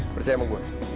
percaya sama gue